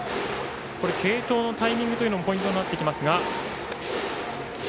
継投のタイミングもポイントになってきます。